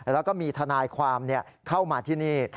แล้วก็มีทนายความเข้ามาที่นี่